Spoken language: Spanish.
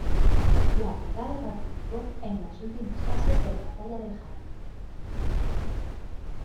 La brigada participó en las últimas fases de la Batalla del Jarama.